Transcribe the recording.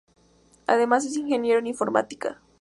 Además es Ingeniero en Informática.